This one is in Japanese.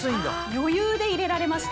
余裕で入れられました。